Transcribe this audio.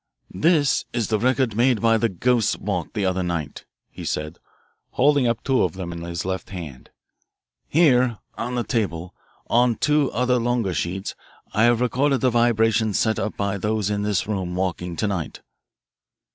"This is the record made by the 'ghost's' walk the other night," he said, holding up two of them in his left hand. "Here on the table, on two other longer sheets, I have records of the vibrations set up by those in this room walking to night.